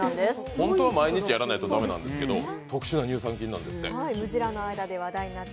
本当は毎日やらないと駄目なんですけど、特殊な乳酸菌なんだって。